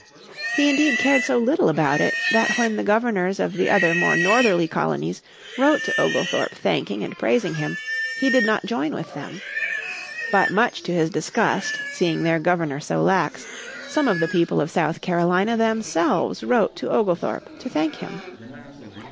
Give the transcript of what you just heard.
He indeed cared so little about it that when the governors of the other more northerly colonies wrote to Oglethorpe thanking and praising him he did not join with them. But much to his disgust, seeing their Governor so lax, some of the people of South Carolina themselves wrote to Oglethorpe to thank him.